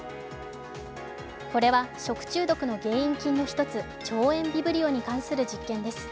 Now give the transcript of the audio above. これは食中毒の原因菌の一つ腸炎ビブリオに関する実験です。